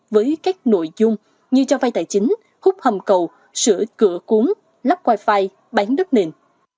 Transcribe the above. với các nội dung như cho vay tài chính hút hầm cầu sửa cửa cuốn lắp wifi bán đất nền